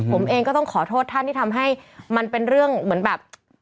ผมเองก็ต้องขอโทษท่านที่ทำให้มันเป็นเรื่องเหมือนแบบ